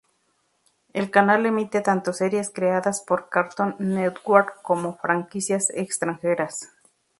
El canal emite tanto series creadas por Cartoon Network como franquicias extranjeras.